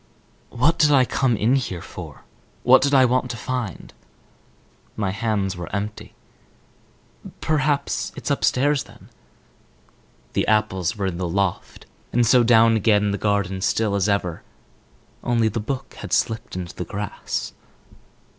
"What did I come in here for? What did I want to find?" My hands were empty. "Perhaps it's upstairs then?" The apples were in the loft. And so down again, the garden still as ever, only the book had slipped into the grass.